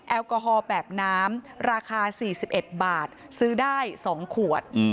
แอลกอฮอล์แบบน้ำราคา๔๑บาทซื้อได้๒ขวด